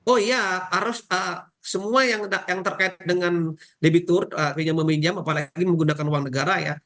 oh iya harus semua yang terkait dengan debitur pinjam meminjam apalagi menggunakan uang negara ya